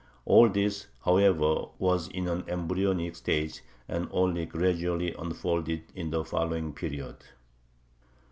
All this, however, was in an embryonic stage, and only gradually unfolded in the following period.